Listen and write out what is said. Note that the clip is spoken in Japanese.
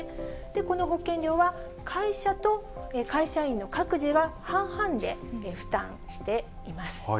この保険料は会社と会社員の各自が半々で負担しています。